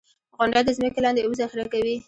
• غونډۍ د ځمکې لاندې اوبه ذخېره کوي.